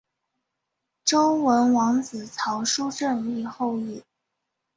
周文王子曹叔振铎后裔。